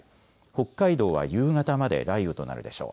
北海道は夕方まで雷雨となるでしょう。